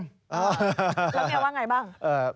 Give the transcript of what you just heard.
แล้วเมียว่าอย่างไรบ้าง